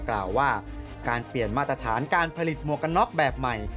กล่าวว่าการเปลี่ยนมาตรฐานการผลิตหมวกกันน็อกแบบใหม่